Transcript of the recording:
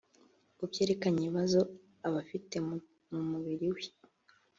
ngo byerekana ibibazo abafite mu mubiri we